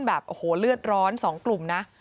แบบโอ้โหเลือดร้อน๒กลุ่มนะ